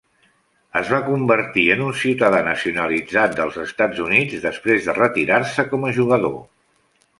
Es va convertir en un ciutadà nacionalitzat dels Estats Units després de retirar-se com a jugador.